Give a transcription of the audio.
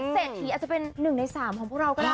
เสถียร์อาจจะเป็นนึงในสามของพวกเราก็ได้นะ